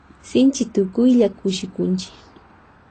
Shinchi tukuylla tushuchunchi.